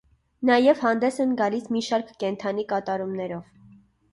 Նաև հանդես են գալիս մի շարք կենդանի կատարումներով։